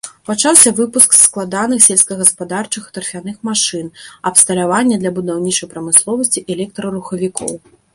Пачаўся выпуск складаных сельскагаспадарчых і тарфяных машын, абсталявання для будаўнічай прамысловасці, электрарухавікоў.